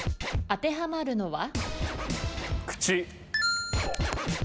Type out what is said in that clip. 当てはまるのは？